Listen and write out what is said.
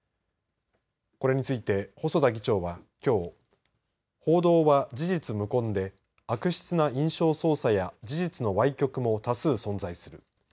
これについて細田議長は、きょう報道は事実無根で悪質な印象操作や事実のわい曲も多数存在する。